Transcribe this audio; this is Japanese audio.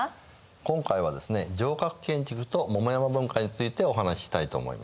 今回はですね城郭建築と桃山文化についてお話ししたいと思います。